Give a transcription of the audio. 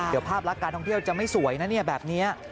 เดี๋ยวภาพลักษณ์การท่องเที่ยวจะไม่สวยนะเนี่ยแบบนี้